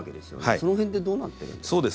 その辺ってどうなってるんですか？